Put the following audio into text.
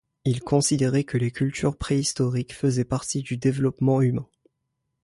Il considérait que les cultures préhistoriques faisaient partie du développement humain.